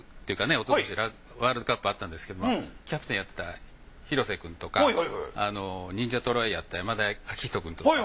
おととしワールドカップがあったんですけれどもキャプテンやってた廣瀬くんとか忍者トライやった山田章仁くんとか。